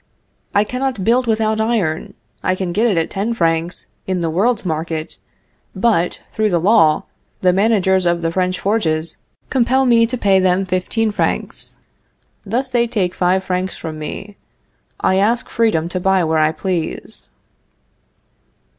I cannot build without iron. I can get it at ten francs in the world's market; but, through the law, the managers of the French forges compel me to pay them fifteen francs. Thus they take five francs from me. I ask freedom to buy where I please.